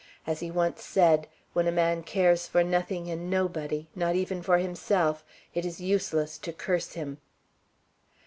As he once said, when a man cares for nothing and nobody, not even for himself, it is useless to curse him.